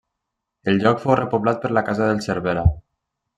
El lloc fou repoblat per la casa dels Cervera.